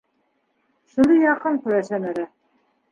Шуны яҡын күрә Сәмәрә.